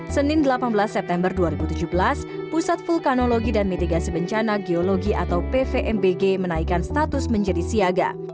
senin delapan belas september dua ribu tujuh belas pusat vulkanologi dan mitigasi bencana geologi atau pvmbg menaikkan status menjadi siaga